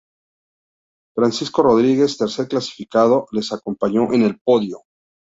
Francisco Rodríguez, tercer clasificado, les acompañó en el podio.